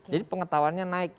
jadi pengetahuannya naik